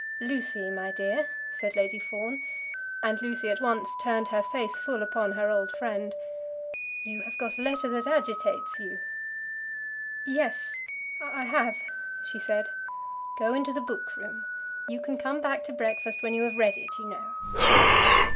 "Lucy, my dear," said Lady Fawn, and Lucy at once turned her face full upon her old friend, "you have got a letter that agitates you." "Yes, I have," she said. "Go into the book room. You can come back to breakfast when you have read it, you know."